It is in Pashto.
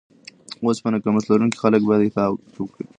اوسپنه کمښت لرونکي خلک باید احتیاط وکړي.